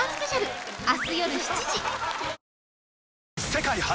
世界初！